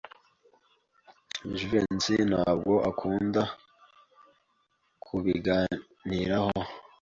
Jivency ntabwo akunda kubiganiraho.